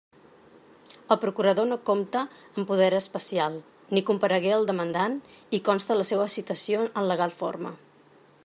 El procurador no compta amb poder especial, ni comparegué el demandat, i consta la seua citació en legal forma.